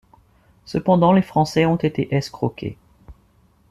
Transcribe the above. Cependant, les Français ont été escroqués.